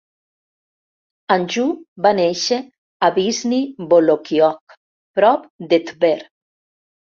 Anjou va néixer a Vyshny Volochyok, prop de Tver.